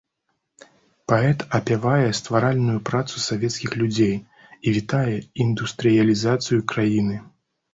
Паэт апявае стваральную працу савецкіх людзей і вітае індустрыялізацыю краіны.